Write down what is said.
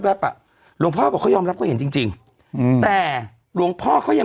แบบอะหลวงพ่อเขายอมรับก็เห็นจริงแต่หลวงพ่อเขายัง